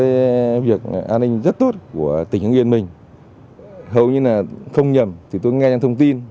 cái việc an ninh rất tốt của tỉnh hưng yên mình hầu như là không nhầm thì tôi nghe thông tin